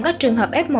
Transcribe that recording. các trường hợp f một